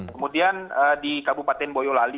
kemudian di kabupaten boyolali